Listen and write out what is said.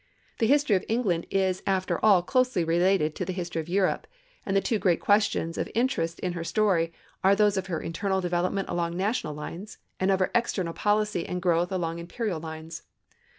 The history of England is after all closely related to the history of Europe, and the two great questions of interest in her story are those of her internal development along national lines and of her external policy and growth along imperial lines.